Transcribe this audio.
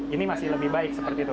ini masih lebih baik seperti itu